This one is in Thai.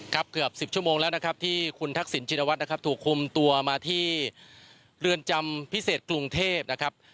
เกือบ๑๐ชั่วโมงแล้วนะครับที่คุณทักษิณชินวัฒน์นะครับถูกคุมตัวมาที่เรือนจำพิเศษกรุงเทพนะครับ